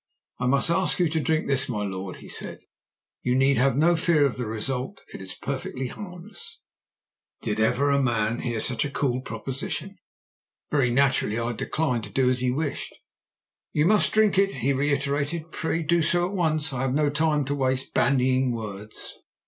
'I must ask you to drink this, my lord,' he said. 'You need have no fear of the result: it is perfectly harmless.' "Did ever man hear such a cool proposition? Very naturally I declined to do as he wished. "'You must drink it!' he reiterated. 'Pray do so at once. I have no time to waste bandying words.'